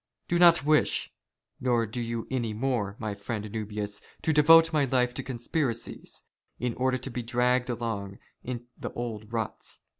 I do not wish, nor do you " any more, my friend Nubius, is it not so ? to devote my life " to conspiracies, in order to be dragged along in the old " ruts.